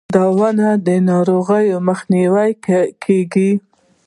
د ونو د ناروغیو مخنیوی کیږي.